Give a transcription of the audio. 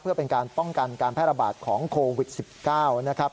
เพื่อเป็นการป้องกันการแพร่ระบาดของโควิด๑๙นะครับ